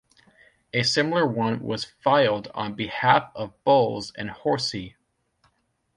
A similar one was filed on behalf of Bowles and Horsey.